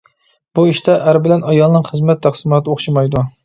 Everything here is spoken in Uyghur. بۇ ئىشتا ئەر بىلەن ئايالنىڭ خىزمەت تەقسىماتى ئوخشىمايدۇ.